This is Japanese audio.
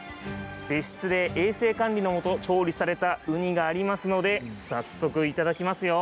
別室で衛生管理のもと調理されたウニがありますので早速いただきますよ。